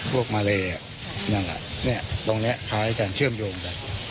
พวกมาเลอ่ะนั่นแหละเนี้ยตรงเนี้ยขายกันเชื่อมโยงกัน